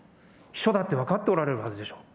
秘書だって分かっておられるはずでしょう。